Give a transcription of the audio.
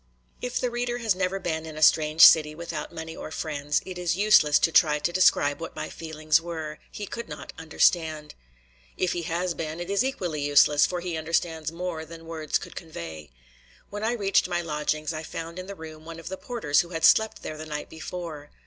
If the reader has never been in a strange city without money or friends, it is useless to try to describe what my feelings were; he could not understand. If he has been, it is equally useless, for he understands more than words could convey. When I reached my lodgings, I found in the room one of the porters who had slept there the night before.